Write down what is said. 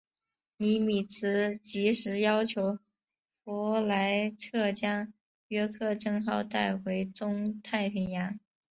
尼米兹即时要求弗莱彻将约克镇号带回中太平洋。